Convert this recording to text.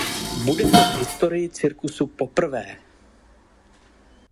Bude to v historii cirkusu poprvé.